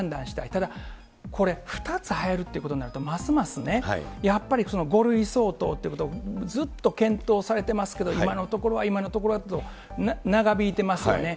ただこれ、２つ入るということになるとますますね、やっぱり５類相当ということをずっと検討されてますけど、今のところは、今のところはと長引いてますよね。